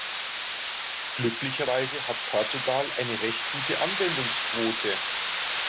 Glücklicherweise hat Portugal eine recht gute Anwendungsquote.